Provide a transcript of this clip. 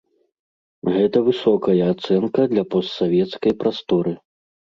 Гэта высокая ацэнка для постсавецкай прасторы.